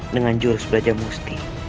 dengan jurus belajar musti